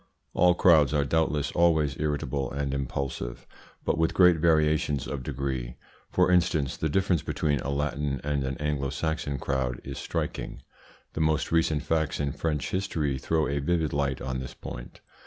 All crowds are doubtless always irritable and impulsive, but with great variations of degree. For instance, the difference between a Latin and an Anglo Saxon crowd is striking. The most recent facts in French history throw a vivid light on this point.